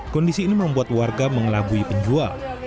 kondisi ini membuat warga mengelabui penjual